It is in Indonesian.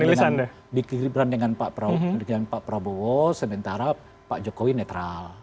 biar lagi dikibran dengan pak prabowo sementara pak jokowi netral